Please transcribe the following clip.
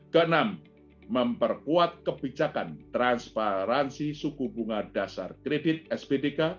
keenam memperkuat kebijakan transparansi suku bunga dasar kredit spdk